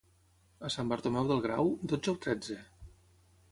A Sant Bartomeu del Grau, dotze o tretze?